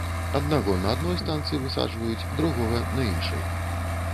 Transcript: Аднаго на адной станцыі высаджваюць, другога на іншай.